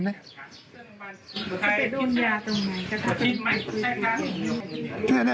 ไปดูย่าตรงนั้น